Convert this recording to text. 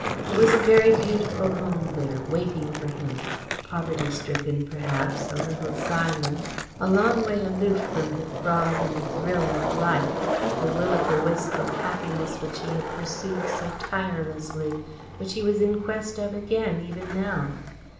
It was a very beautiful home there, waiting for him; poverty stricken, perhaps, a little silent, a long way aloof from the throb and thrill of life, the will o' the wisp of happiness which he had pursued so tirelessly, which he was in quest of again, even now.